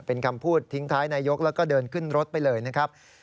เป็นคำพูดทิ้งท้ายนายกแล้วก็เดินขึ้นรถไปเลยนะครับ